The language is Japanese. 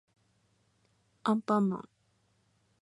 アンパンマン